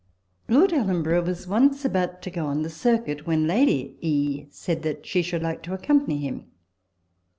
Lord Ellenborough was once about to go on the circuit, when Lady E. said that she should like to accompany him.